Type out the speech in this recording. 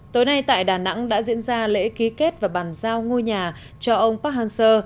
tối nay tại đà nẵng đã diễn ra lễ ký kết và bàn giao ngôi nhà cho ông park han seo